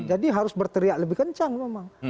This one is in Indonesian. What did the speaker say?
jadi harus berteriak lebih kencang memang